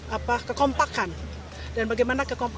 dan bagaimana satu dengan yang lain saling kelebihan dan kekurangan